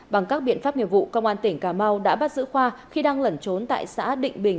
bằng các biện pháp nghiệp vụ công an tỉnh cà mau đã bắt giữ khoa khi đang lẩn trốn tại xã định bình